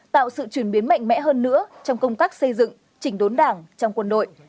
tạo sự chuyển biến mạnh mẽ hơn nữa trong công tác xây dựng chỉnh đốn đảng trong quân đội